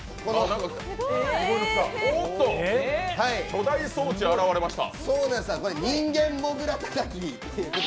巨大装置が現れました。